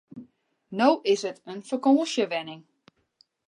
No is it in fakânsjewenning.